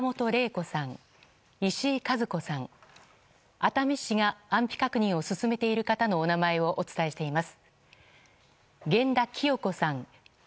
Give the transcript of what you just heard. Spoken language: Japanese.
熱海市が安否確認を進めている方のお名前をお伝えしています。